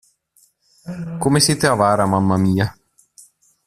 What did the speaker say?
Come siete avara, mamma mia!